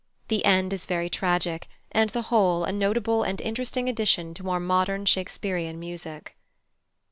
The end is very tragic, and the whole a notable and interesting addition to our modern Shakespearian music.